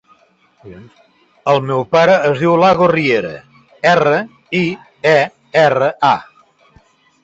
El meu pare es diu Iago Riera: erra, i, e, erra, a.